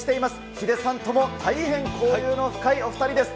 ヒデさんとも大変交流の深いお２人です。